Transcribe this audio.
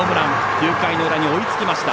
９回の裏に追いつきました。